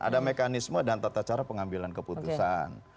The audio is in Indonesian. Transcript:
ada mekanisme dan tata cara pengambilan keputusan